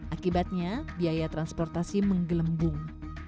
akibatnya biaya transportasi menggelembung